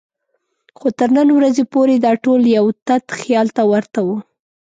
خو تر نن ورځې پورې دا ټول یو تت خیال ته ورته وو.